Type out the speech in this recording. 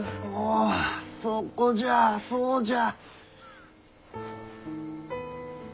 おそこじゃそうじゃ。